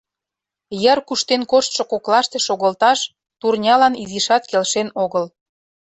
Йыр куштен коштшо коклаште шогылташ турнялан изишат келшен огыл.